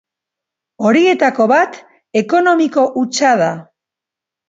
Horietako bat ekonomiko hutsa da.